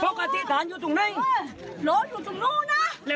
พ่อบอกว่ามีคนก็ไม่เอาชื้อเลย